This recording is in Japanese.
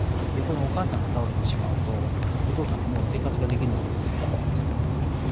逆にお母さんが倒れてしまうとお父さんはもう生活ができないので。